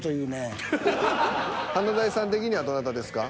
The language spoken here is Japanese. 華大さん的にはどなたですか？